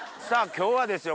今日はですよ